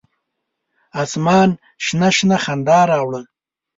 اسمان شنه، شنه خندا راوړه